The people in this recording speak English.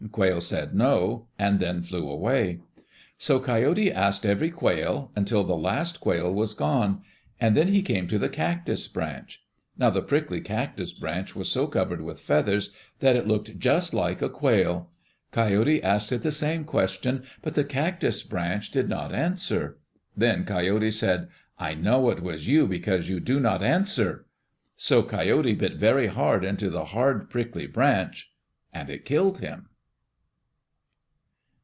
Quail said, "No," and then flew away. So Coyote asked every quail, until the last quail was gone, and then he came to the cactus branch. Now the prickly cactus branch was so covered with feathers that it looked just like a quail. Coyote asked it the same question, but the cactus branch did not answer. Then Coyote said, "I know it was you because you do not answer." So Coyote bit very hard into the hard, prickly branch, and it killed him.